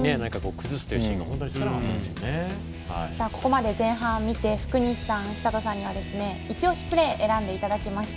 ここまで前半見て福西さん、佐藤さんには一押しプレー選んでいただきました。